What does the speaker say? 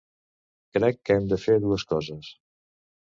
Crec que hem de fer dues coses.